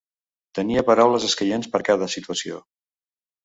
Tenia paraules escaients per a cada situació.